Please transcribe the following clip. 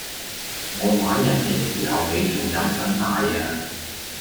我玩人既時候你仲飲緊奶呀